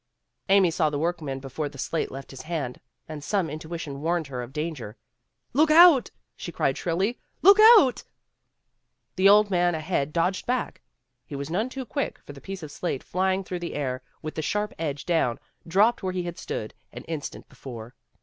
Amy saw the workman before the slate left his hand, and some intuition warned her of danger. "Look out!" she cried shrilly, *' Look out !'' The old man ahead dodged back. He was none too quick, for the piece of slate, flying through the air with the sharp edge down, dropped where he had stood an instant before.